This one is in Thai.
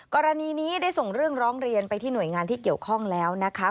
กรณีนี้ได้ส่งเรื่องร้องเรียนไปที่หน่วยงานที่เกี่ยวข้องแล้วนะคะ